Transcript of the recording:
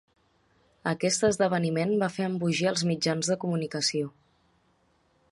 Aquest esdeveniment va fer embogir els mitjans de comunicació.